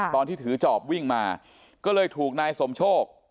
ตอนที่ถือจอบวิ่งมาก็เลยถูกนายสมโชค